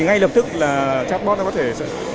ngay lập tức chatbot có thể bộ